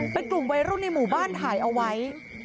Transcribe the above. เป็นกลุ่มวัยรุ่นในหมู่บ้านถ่ายเอาไว้